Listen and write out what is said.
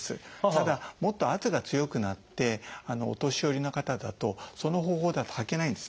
ただもっと圧が強くなってお年寄りの方だとその方法だとはけないんですね。